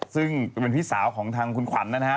ซึ่งเป็นพี่สาวของทางคุณควัน